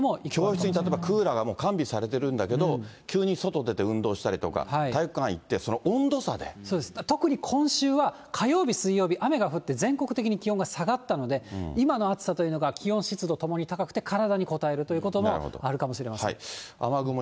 教室に例えば、クーラーが完備されてるんだけど、急に外出て運動したりとか、特に今週は、火曜日、水曜日、雨が降って全国的に気温が下がったので、今の暑さというのが、気温、湿度ともに高くて、体にこたえるということもあるかもしれません。